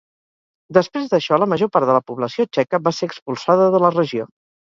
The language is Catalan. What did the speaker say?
Després d'això, la major part de la població txeca va ser expulsada de la regió.